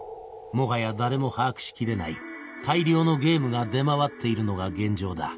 もはや誰も把握しきれない大量のゲームが出回っているのが現状だ